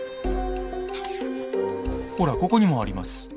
ほらここにもあります。